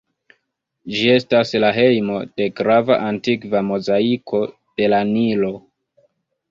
Ĝi estas la hejmo de grava antikva mozaiko de la Nilo.